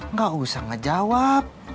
nggak usah ngejawab